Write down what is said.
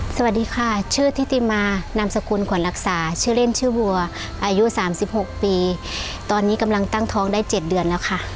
สวัสดีค่ะชื่อทิติมานามสกุลขวัญรักษาชื่อเล่นชื่อวัวอายุ๓๖ปีตอนนี้กำลังตั้งท้องได้๗เดือนแล้วค่ะ